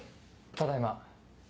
ただいま。